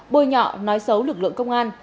bồi nhọ nói xấu lực lượng công an